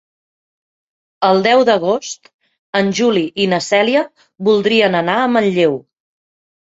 El deu d'agost en Juli i na Cèlia voldrien anar a Manlleu.